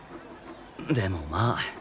でもまあ